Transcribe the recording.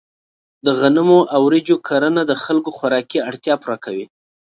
د غنمو او وریجو کرنه د خلکو خوراکي اړتیا پوره کوي.